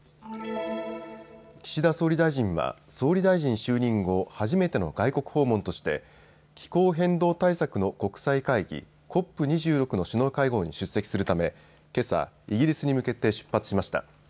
岸田総理大臣は総理大臣就任後、初めての外国訪問として気候変動対策の国際会議、ＣＯＰ２６の首脳会合に出席するためけさ、イギリスに向けて出発しました。